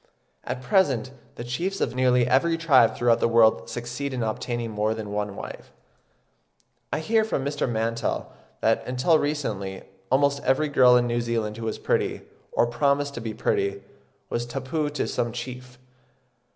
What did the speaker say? At present the chiefs of nearly every tribe throughout the world succeed in obtaining more than one wife. I hear from Mr. Mantell that, until recently, almost every girl in New Zealand who was pretty, or promised to be pretty, was tapu to some chief.